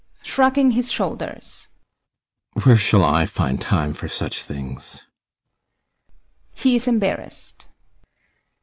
[Shrugging his shoulders] Where shall I find time for such things? [He is embarrassed.